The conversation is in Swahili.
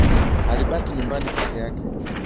Alibaki nyumbani peke yake